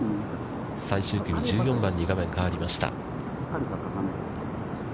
最終組、１４番に画面が変わりました。